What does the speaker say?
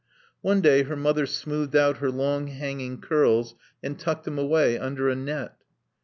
One day her mother smoothed out her long, hanging curls and tucked them away under a net.